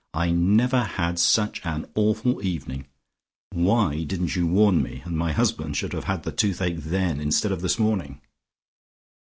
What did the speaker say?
I never had such an awful evening. Why didn't you warn me, and my husband should have had toothache then instead of this morning."